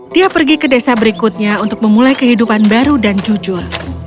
dia pergi ke desa berikutnya untuk memulai kehidupan baru dan jujur